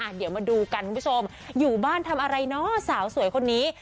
เดี๋ยวมาดูกันคุณผู้ชมอยู่บ้านทำอะไรเนาะสาวสวยคนนี้